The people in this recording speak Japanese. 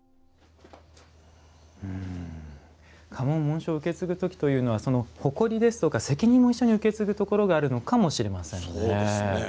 家紋・紋章を受け継ぐ時というのは誇りですとか責任も一緒に受け継ぐところがあるのかもしれませんね。